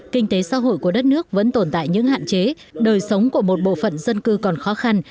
kinh tế xã hội của đất nước vẫn tồn tại những hạn chế đời sống của một bộ phận dân cư còn khó khăn